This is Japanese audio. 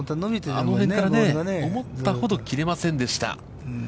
あの辺から思ったほど切れませんでした。